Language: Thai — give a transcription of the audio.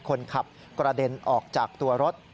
คนขับกระเด็นออกจากตัวรถ